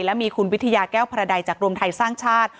และมีคุณวิทยาแก้วพระใดจากรวมไทยสร้างชาติ